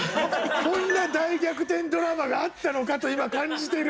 こんな大逆転ドラマがあったのかと今感じてる。